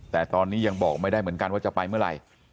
แต่ตอนนี้ยังบอกไม่ได้เหมือนกันว่าจะไปเมื่อไหร่